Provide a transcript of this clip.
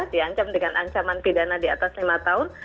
diancam dengan ancaman pidana di atas lima tahun